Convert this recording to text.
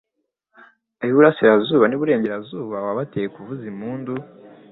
ab’iburasirazuba n’iburengerazuba wabateye kuvuza impundu